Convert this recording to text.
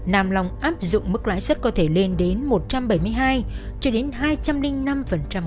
nam long áp dụng mức lái xuất có thể lên đến một trăm bảy mươi hai cho đến hai trăm linh năm mỗi năm